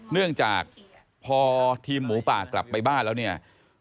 เนื่องจากพอทีมหมูป่ากลับไปบ้านแล้วเนี่ย